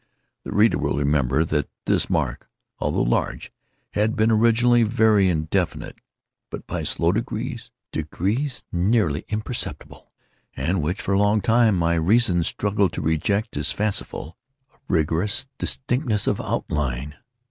The reader will remember that this mark, although large, had been originally very indefinite; but, by slow degrees—degrees nearly imperceptible, and which for a long time my reason struggled to reject as fanciful—it had, at length, assumed a rigorous distinctness of outline.